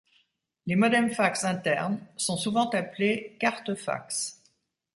Les modems fax internes sont souvent appelés cartes fax.